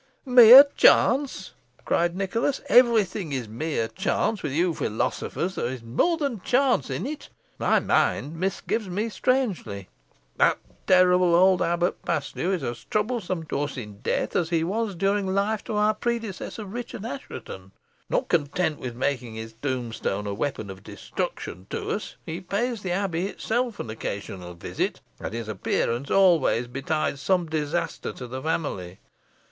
"Mere chance!" cried Nicholas; "every thing is mere chance with you philosophers. There is more than chance in it. My mind misgives me strangely. That terrible old Abbot Paslew is as troublesome to us in death, as he was during life to our predecessor, Richard Assheton. Not content with making his tombstone a weapon of destruction to us, he pays the Abbey itself an occasional visit, and his appearance always betides some disaster to the family.